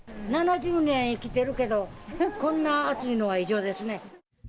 ７０年生きてるけど、こんな暑いのは異常ですね。